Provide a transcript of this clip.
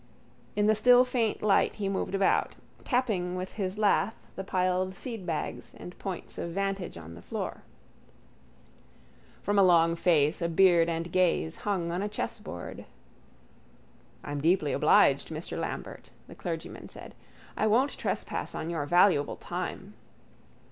In the still faint light he moved about, tapping with his lath the piled seedbags and points of vantage on the floor. From a long face a beard and gaze hung on a chessboard. —I'm deeply obliged, Mr Lambert, the clergyman said. I won't trespass on your valuable time...